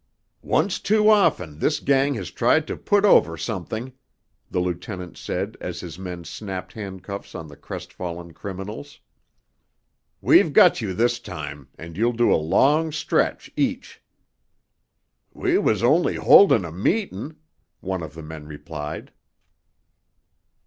"Once too often this gang has tried to put over something!" the lieutenant said as his men snapped handcuffs on the crestfallen criminals. "We've got you this time, and you'll do a long stretch each." "We was only holdin' a meetin'," one of the men replied.